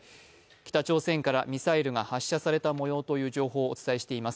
北朝鮮からミサイルが発射されたもようという情報をお伝えしています。